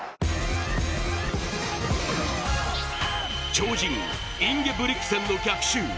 超人インゲブリクセンの逆襲。